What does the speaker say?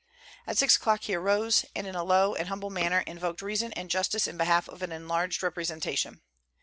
At six o'clock he arose, and in a low and humble manner invoked reason and justice in behalf of an enlarged representation.